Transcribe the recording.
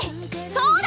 そうだ！